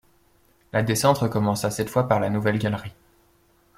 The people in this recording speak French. La descente recommença cette fois par la nouvelle galerie.